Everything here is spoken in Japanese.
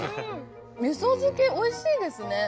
味噌漬おいしいですね。